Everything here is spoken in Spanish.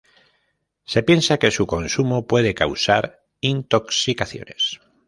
Se piensa que su consumo puede causar intoxicaciones.